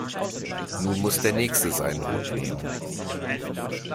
Nun muss der Nächste seinen Hut nehmen.